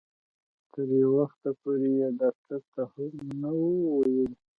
تر یو وخته پورې یې ډاکټر ته هم نه وو ویلي.